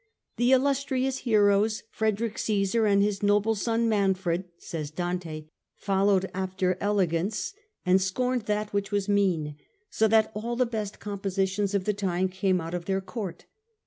" The illustrious heroes, Frederick Caesar and his noble son Manfred," says Dante, " followed after elegance and scorned that which was mean ; so that all the best compositions of the time came out of their Court.